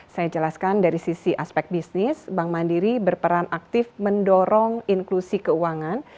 saya jelaskan dari sisi aspek bisnis bank mandiri berperan aktif mendorong inklusi keuangan